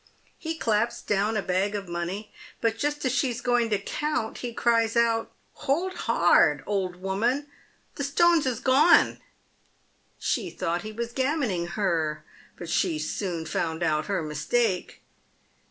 He claps down a bag of money, but just as she's going to count, he cries out, * Hold hard ! old woman, the stones is gone !' She thought he was gammoning her, but she soon found out her mistake.